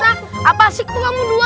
apa asik kamu dua